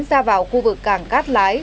ra vào khu vực cảng cát lái